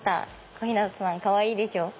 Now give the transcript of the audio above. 小日向さんかわいいでしょ？